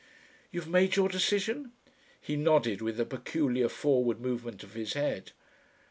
"You've made your decision?" He nodded with a peculiar forward movement of his head.